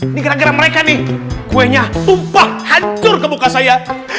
ini gara gara mereka nih kuenya tumpah hancur ke muka saya